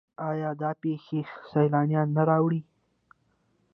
آیا دا پیښې سیلانیان نه راوړي؟